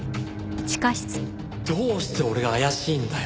どうして俺が怪しいんだよ！